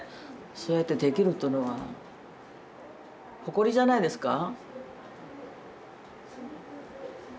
そうやってできるというのは誇りじゃないですか。